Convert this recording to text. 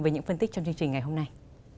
với những phân tích trong chương trình ngày hôm nay